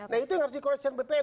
nah itu yang harus dikoreksikan bpn